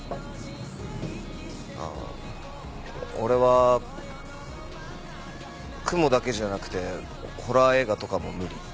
ああ俺はクモだけじゃなくてホラー映画とかも無理。